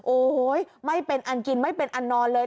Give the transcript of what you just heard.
โอ้โหไม่เป็นอันกินไม่เป็นอันนอนเลย